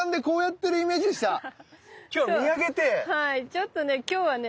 ちょっとね今日はね